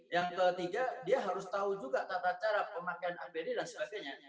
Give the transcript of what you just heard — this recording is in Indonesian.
yang ketiga dia harus tahu juga tata cara pemakaian apd dan sebagainya